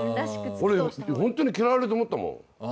俺ホントに嫌われると思ったもん。